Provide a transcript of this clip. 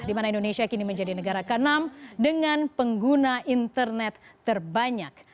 di mana indonesia kini menjadi negara ke enam dengan pengguna internet terbanyak